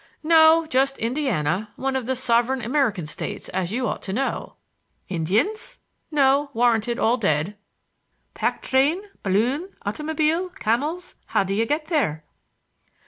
"No. Just Indiana,—one of the sovereign American states, as you ought to know." "Indians?" "No; warranted all dead." "Pack train—balloon—automobile—camels,—how do you get there?"